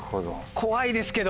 怖いですけど。